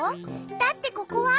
だってここは。